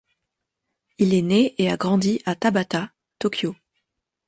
Il est né et a grandi à Tabata, Tokyo.